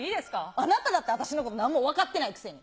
あなただって、私のことなんも分かってないくせに。